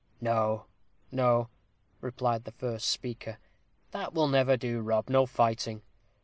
"No, no," replied the first speaker; "that will never do, Rob no fighting.